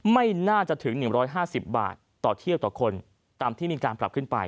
ไม่น่าจะถึง๑๕๐บาทต่อเที่ยวต่อคนตามที่มีการปรับขึ้นไป